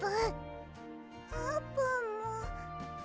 あーぷんも。